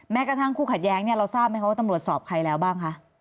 กระทั่งคู่ขัดแย้งเนี่ยเราทราบไหมคะว่าตำรวจสอบใครแล้วบ้างคะ